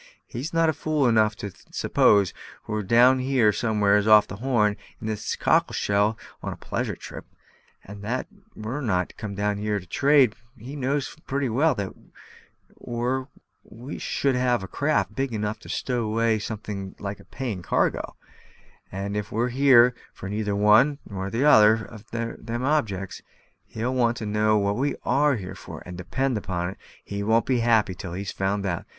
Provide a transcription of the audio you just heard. "He is not fool enough to suppose we're down here somewheres off the Horn, in this cockle shell, on a pleasure trip; and that we're not come down here to trade he also knows pretty well, or we should have a craft big enough to stow away something like a paying cargo; and if we're here for neither one nor t'other of them objects, he'll want to know what we are here for; and, depend upon it, he won't be happy till he's found out.